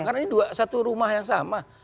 karena ini satu rumah yang sama